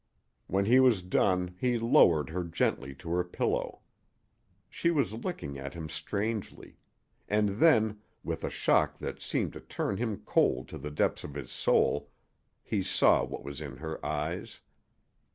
When he was done he lowered her gently to her pillow. She was looking at him strangely. And then, with a shock that seemed to turn him cold to the depths of his soul, he saw what was in her eyes.